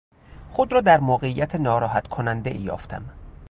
خود را در موقعیت ناراحت کنندهای یافتم.